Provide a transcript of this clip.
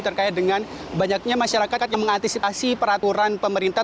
terkait dengan banyaknya masyarakat yang mengantisipasi peraturan pemerintah